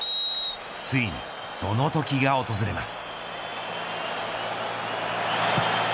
ついにその時が訪れます。